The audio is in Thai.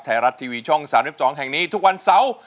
ไทยรัฐทีวีช่อง๓๒แห่งนี้ทุกวันเสาร์